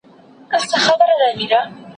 شاګرد د علمي لیکنو په برخه کي ډېر مهارت لري.